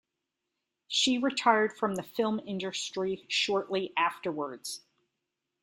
She retired from the film industry shortly afterwards.